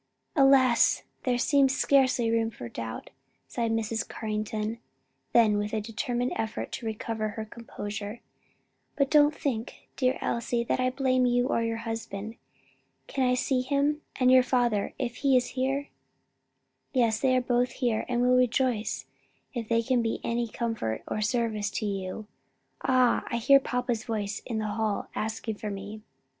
"Alas there seems scarcely room for doubt!" sighed Mrs. Carrington, then, with a determined effort to recover her composure, "But don't think, dear Elsie, that I blame you or your husband. Can I see him? and your father if he is here?" "Yes, they are both here and will rejoice if they can be of any comfort or service to you. Ah, I hear papa's voice in the hall, asking for me!"